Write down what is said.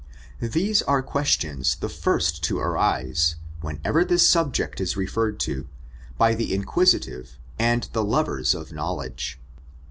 These are questions the first to arise, whenever this subject is referred to, by the inquisitive and the lovers of knowledge.